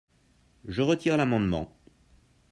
Je retire l’amendement.